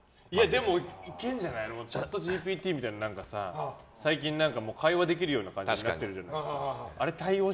でもいけるんじゃないのチャットＧＰＴみたいな最近会話できるようになってるじゃないですか。